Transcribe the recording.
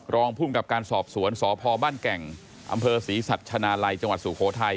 รองพุ่งกับการสอบสวนสพบ้านแก่งอศรีสัชนาลัยจสู่โขทัย